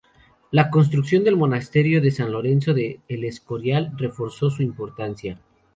La construcción del Monasterio de San Lorenzo de El Escorial reforzó su importancia.